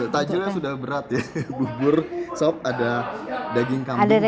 takjilnya sudah berat ya bubur sup ada daging kambing di dalamnya